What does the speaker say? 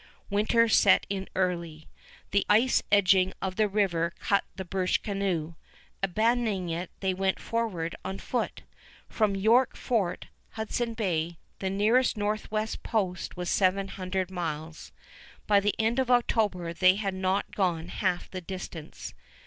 Winter set in early. The ice edging of the river cut the birch canoe. Abandoning it, they went forward on foot. From York Fort, Hudson Bay, the nearest Northwest post was seven hundred miles. By the end of October they had not gone half the distance.